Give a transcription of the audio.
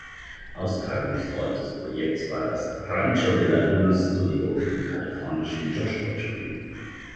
Austragungsort des Projekts war das "Rancho De La Luna Studio" im kalifornischen Joshua Tree.